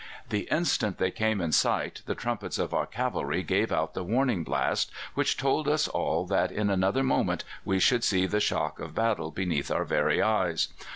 "The instant they came in sight the trumpets of our cavalry gave out the warning blast which told us all that in another moment we should see the shock of battle beneath our very eyes.